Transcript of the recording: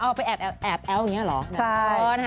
เอาไปแอบแอ้วอย่างนี้เหรอ